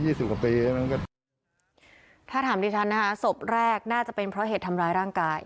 ยี่สิบกว่าปีถ้าถามดีทันนะคะศพแรกน่าจะเป็นเพราะเหตุทำร้ายร่างกาย